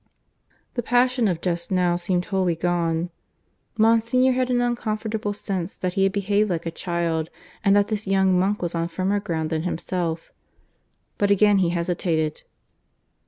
The passion of just now seemed wholly gone. Monsignor had an uncomfortable sense that he had behaved like a child and that this young monk was on firmer ground than himself. But again he hesitated.